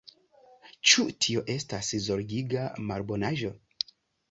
Ĉu tio estas zorgiga malbonaĵo?